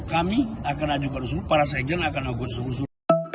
kami akan ajukan usul para sejen akan ajukan usul